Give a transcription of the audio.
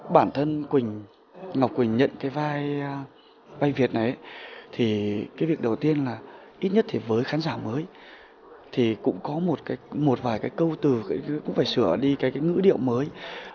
bản thân quỳnh ngọc quỳnh nhận cái vai việt này thì cái việc đầu tiên là ít nhất thì với khán giả mới thì cũng có một vài cái câu từ cũng phải sửa đi cái ngữ điệu mới